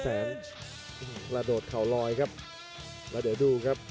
กระโดดเข่าลอยครับแล้วเดี๋ยวดูครับ